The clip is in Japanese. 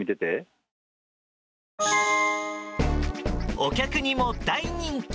お客にも大人気。